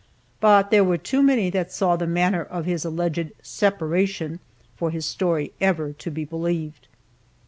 But there were too many that saw the manner of his alleged "separation" for his story ever to be believed.